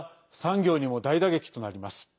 また、産業にも大打撃となります。